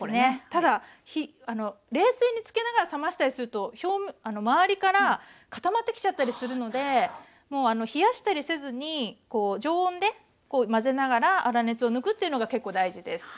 ただ冷水につけながら冷ましたりすると表面周りから固まってきちゃったりするのでもう冷やしたりせずに常温でこう混ぜながら粗熱を抜くというのが結構大事です。